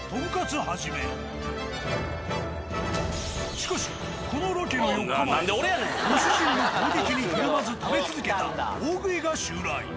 しかしこのロケの４日前ご主人の攻撃にひるまず食べ続けた大食いが襲来。